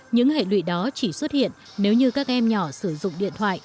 những hệ lụy đó chỉ xuất hiện nếu như các em nhỏ sử dụng điện thoại